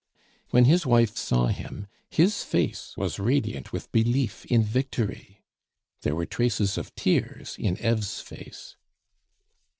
When his wife saw him, his face was radiant with belief in victory. There were traces of tears in Eve's face.